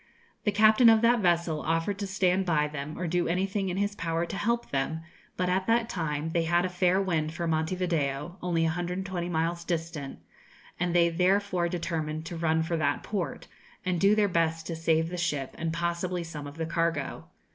The captain of that vessel offered to stand by them or do anything in his power to help them; but at that time they had a fair wind for Monte Video, only 120 miles distant, and they therefore determined to run for that port, and do their best to save the ship, and possibly some of the cargo.